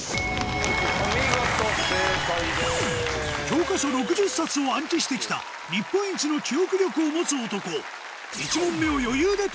教科書６０冊を暗記して来た日本一の記憶力を持つ男